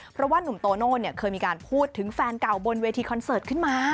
เพราะว่านุ่มโตโน่เคยมีการพูดถึงแฟนเก่าบนเวทีคอนเสิร์ตขึ้นมา